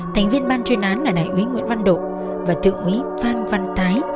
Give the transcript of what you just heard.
thành viên ban chuyên án là đại úy nguyễn văn độ và thượng úy phan văn thái